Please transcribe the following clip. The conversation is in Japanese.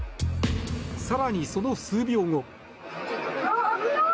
更に、その数秒後。